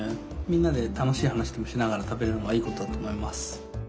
みんなで楽しい話でもしながら食べるのがいいことだと思います。